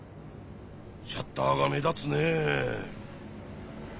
シャッターが目立つねえ。